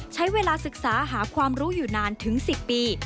ใช้เวลาศึกษาหาความรู้อยู่นานถึง๑๐ปี